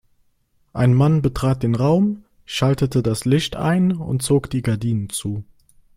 Ein Mann betrat den Raum, schaltete das Licht ein und zog die Gardinen zu.